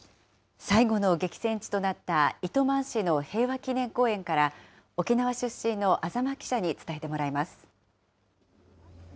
最後の激戦地となった糸満市の平和祈念公園から、沖縄出身の安座間記者に伝えてもらいます。